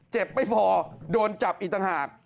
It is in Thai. เจ็บไปพอโดนจับอีกต่างหาก